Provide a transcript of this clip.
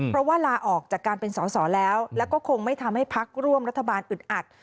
เพราะว่าลาออกจากการเป็นสอสอแล้วแล้วก็คงไม่ทำให้พักร่วมรัฐบาลอึดอัด